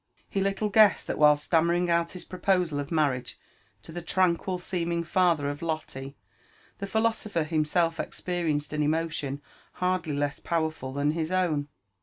He liule guessed that while stammeringouthisproposal of marriage to the tranquil seeming father of Lotte, the philosopher himself experienced an emotion hardly less powerful than his own.